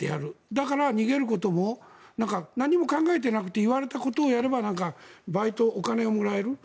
だから、逃げることも何も考えていなくて言われたことをやればバイト、お金がもらえる。